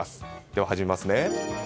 では、始めますね。